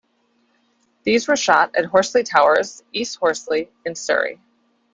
These were shot at Horsley Towers, East Horsley in Surrey.